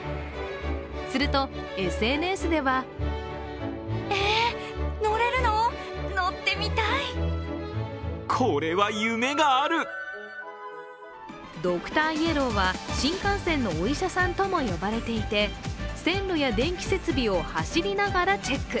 するとＳＮＳではドクターイエローは新幹線のお医者さんとも呼ばれていて線路や電気設備を走りながらチェック。